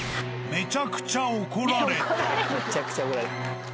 めちゃくちゃ怒られた。